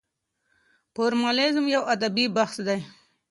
فورمالېزم يو ادبي بحث دی.